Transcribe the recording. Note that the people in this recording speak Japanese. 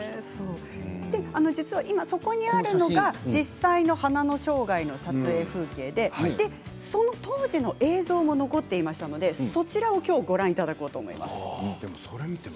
今そこにあるのが実際の「花の生涯」の撮影風景でその当時の映像も残っていましたのでご覧いただきます。